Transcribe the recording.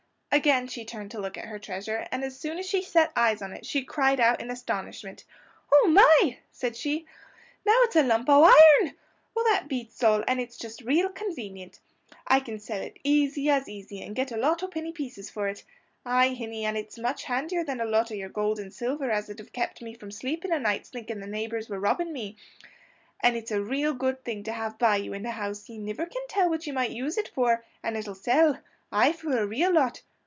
Again she turned to look at her treasure, and as soon as she set eyes on it she cried out in astonishment. "Oh, my!" said she; "now it's a lump o' iron! Well, that beats all; and it's just real convenient! I can sell it as easy as easy, and get a lot o' penny pieces for it. Ay, hinny, an' it's much handier than a lot o' yer gold and silver as 'd have kept me from sleeping o' nights thinking the neighbours were robbing me an' it's a real good thing to have by you in a house, ye niver can tell what ye mightn't use it for, an' it'll sell ay, for a real lot.